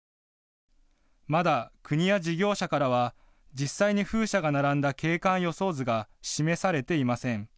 まだ国や事業者からは実際に風車が並んだ景観予想図が示されていません。